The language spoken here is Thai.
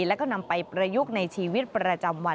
แล้วก็นำไปประยุกต์ในชีวิตประจำวัน